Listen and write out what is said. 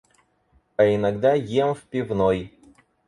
А иногда ем в пивной.